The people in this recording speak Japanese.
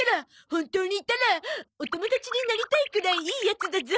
本当にいたらお友達になりたいくらいいいヤツだゾ。